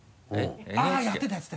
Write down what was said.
あっやってたやってた！